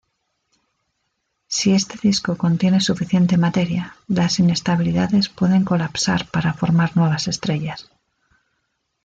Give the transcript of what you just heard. Si este disco contiene suficiente materia, las inestabilidades pueden colapsar para formar nuevas estrellas.